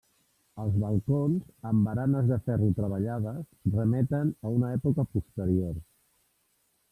Els balcons amb baranes de ferro treballades remeten a una època posterior.